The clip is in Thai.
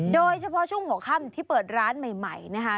โดยเฉพาะช่วงหัวค่ำที่เปิดร้านใหม่นะคะ